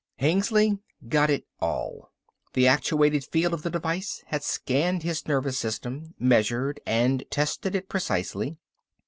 Hengly got it all. The actuated field of the device had scanned his nervous system, measured and tested it precisely.